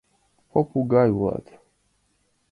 Попугай улат.